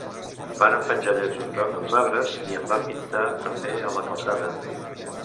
Varen penjar llaços grocs als arbres i en van pintar també a la calçada.